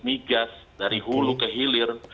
migas dari hulu ke hilir